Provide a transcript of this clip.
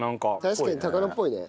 確かに高菜っぽいね。